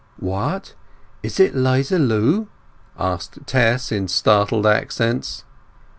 "What—is it 'Liza Lu?" asked Tess, in startled accents.